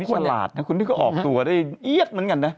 ฉลาดนะคุณนี่ก็ออกตัวได้เอี๊ยดเหมือนกันนะ